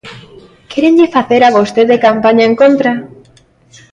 ¿Quérenlle facer a vostede campaña en contra?